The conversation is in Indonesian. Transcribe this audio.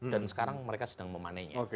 dan sekarang mereka sedang memanennya